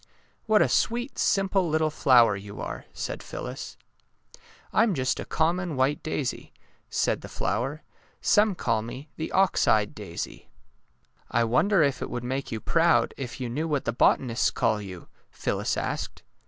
^' What a sweet, simple little flower you are," said Phyllis. '^ I am just a common white daisy," said the flower. '' Some call me the ox eyed daisy." '^ I wonder if it would make you proud if you knew what the botanists call you," Phyl lis asked.